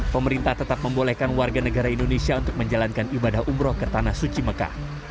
pemerintah tetap membolehkan warga negara indonesia untuk menjalankan ibadah umroh ke tanah suci mekah